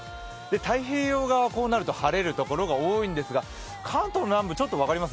太平洋側はこうなると晴れるところが多いんですが、関東南部、ちょっと分かります？